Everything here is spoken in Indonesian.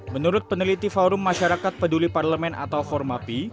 menurut peneliti forum masyarakat peduli parlemen atau formapi